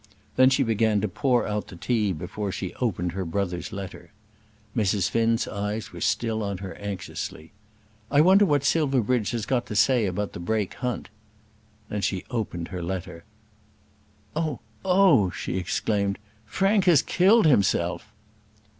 '" Then she began to pour out the tea before she opened her brother's letter. Mrs. Finn's eyes were still on her anxiously. "I wonder what Silverbridge has got to say about the Brake Hunt." Then she opened her letter. "Oh; oh!" she exclaimed, "Frank has killed himself."